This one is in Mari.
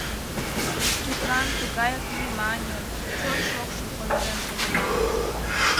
Тудлан тугаяк вниманийым, чон шокшым ойырен шогыман.